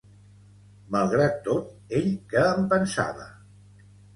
Malgrat tot, ell què en pensava?